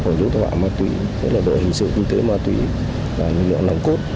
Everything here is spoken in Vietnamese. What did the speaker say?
của lực lượng tội phạm ma túy lực lượng hình sự kinh tế ma túy lực lượng nồng cốt